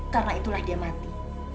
karena itulah dia mati